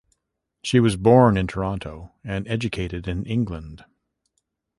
She was born in Toronto, and educated in England.